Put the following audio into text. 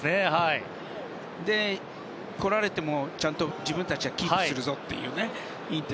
で、来られてもちゃんと自分たちでキープするぞという。